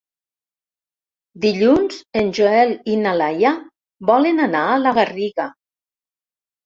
Dilluns en Joel i na Laia volen anar a la Garriga.